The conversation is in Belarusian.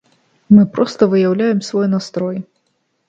Мы проста выяўляем свой настрой.